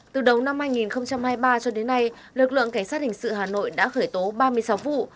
từ đầu năm hai nghìn hai mươi ba cho đến nay lực lượng cảnh sát hình sự hà nội đã khởi tố ba mươi sáu vụ